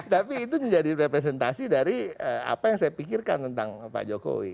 tapi itu menjadi representasi dari apa yang saya pikirkan tentang pak jokowi